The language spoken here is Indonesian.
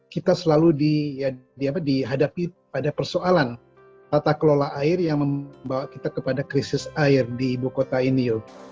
kita selalu dihadapi pada persoalan tata kelola air yang membawa kita kepada krisis air di ibu kota ini